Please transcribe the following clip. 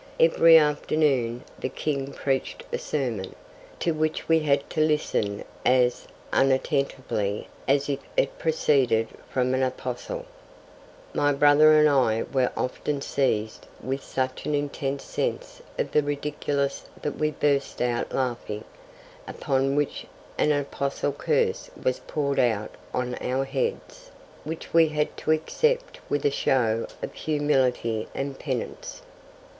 Every afternoon the King preached a sermon, to which we had to listen as attentively as if it proceeded from an Apostle. My brother and I were often seized with such an intense sense of the ridiculous that we burst out laughing, upon which an apostolic curse was poured out on our heads, which we had to accept with a show of humility and penitence.'